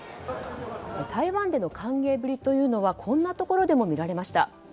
台湾での歓迎ぶりというのはこんなところでも見られました。